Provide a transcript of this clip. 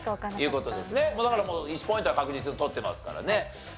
だからもう１ポイントは確実に取ってますからね。